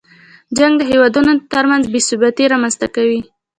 جنګ د هېوادونو تر منځ بې ثباتۍ رامنځته کوي.